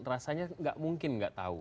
rasanya enggak mungkin enggak tahu